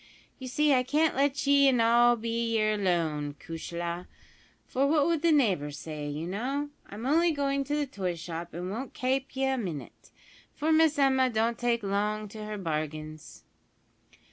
"You see I can't let ye in all be yer lone, cushla; for what would the neighbours say, you know! I'm only goin' to the toy shop, an' won't kape ye a minit, for Miss Emma don't take long to her bargains."